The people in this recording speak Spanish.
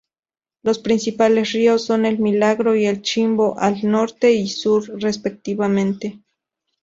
Los principales ríos son el Milagro y el Chimbo al Norte y Sur, respectivamente.